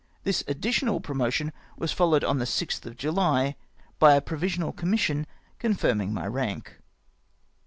This additional promotion was followed on the 6th of July by a provi sional commission confirming my rank.